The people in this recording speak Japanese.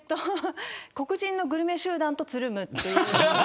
黒人のグルメ集団とつるむという。